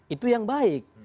itu yang baik